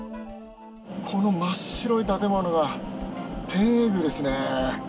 この真っ白い建物が、天苑宮ですね。